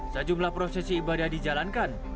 sejumlah prosesi ibadah dijalankan